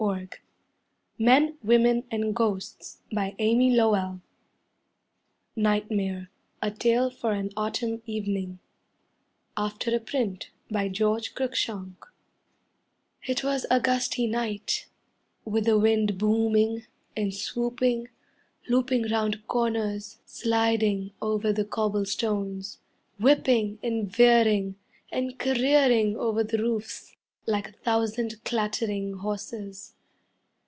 Oh, I'm so tired! (Faints) CLOCKS TICK A CENTURY Nightmare: A Tale for an Autumn Evening After a Print by George Cruikshank It was a gusty night, With the wind booming, and swooping, Looping round corners, Sliding over the cobble stones, Whipping and veering, And careering over the roofs Like a thousand clattering horses.